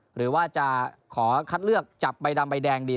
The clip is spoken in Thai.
หรือว่าจะขอคัดเลือกจับใบดำใบแดงดี